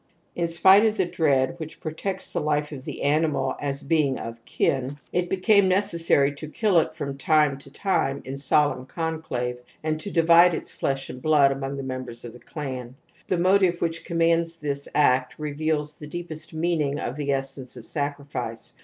In spite of the dread which protects the life of the animal as being of kin, it became neces sary to kill it from time to time in solemn con clave, and to dividie its flesh and blood among the members of the clan. The motive which commands this act reveals the deepest meaning of the essence of sacrifice.